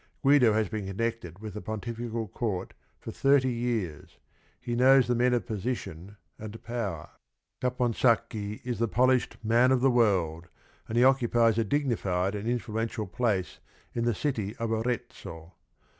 Guido has been connected with the pontifical court for thirty years; he knows the men of position and power. Capon 120 THE RING AND THE BOOK sacchi is the polished man of the world, and he occupies a dignified and influential place in the city of Arezzo.